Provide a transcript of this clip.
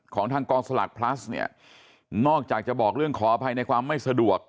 ของทางกองสลากพลัสเนี่ยนอกจากจะบอกเรื่องขออภัยในความไม่สะดวก